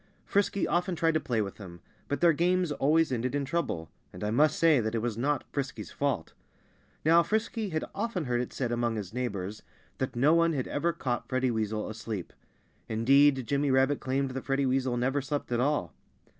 Frisky often tried to play with him. But their games always ended in trouble; and I must say that it was not Frisky's fault. Now, Frisky had often heard it said among his neighbors that no one had ever caught Freddie Weasel asleep. Indeed, Jimmy Rabbit claimed that Freddie Weasel never slept at all.